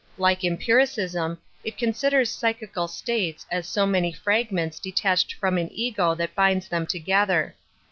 Like empiricism, it considers psychical states as so many fragments detached from an egoi that hinds them together.